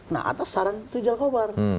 nah atas saran pijal kobar